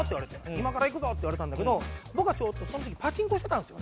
「今から行くぞ」って言われたんだけど僕はちょっとその時パチンコしてたんですよね。